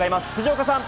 辻岡さん。